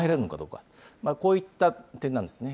こういった点なんですね。